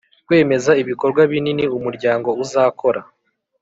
Kwemeza ibikorwa binini umuryango uzakora